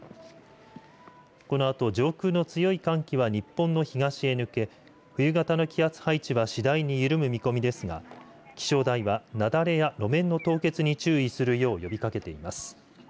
このあと上空の強い寒気が日本の東へ抜け冬型の気圧配置は次第に緩む見込みですが気象台は、なだれや路面の凍結に注意するよう呼びかけています。